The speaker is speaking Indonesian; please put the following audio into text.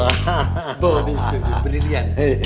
bobi setuju bener dia